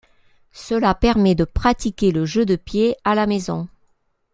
Cela permet de pratiquer le jeu de pied à la maison.